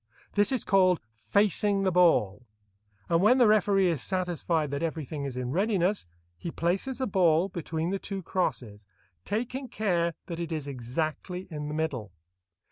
This is called "facing the ball," and when the referee is satisfied that everything is in readiness, he places the ball between the two crosses, taking care that it is exactly in the middle.